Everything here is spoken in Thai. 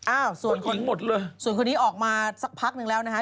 อ้าวส่วนคนนี้ออกมาสักพักหนึ่งแล้วนะฮะ